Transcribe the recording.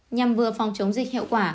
nhằm vừa phòng chống dịch hiệu quả